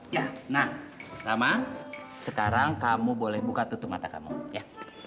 ya nah rama sekarang kamu boleh buka tutup mata kamu ya